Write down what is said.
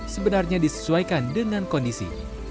sebenarnya disesuaikan dengan kondisi